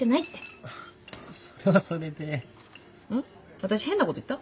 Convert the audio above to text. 私変なこと言った？